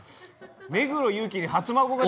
目黒祐樹に初孫が。